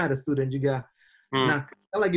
ada student juga nah kita lagi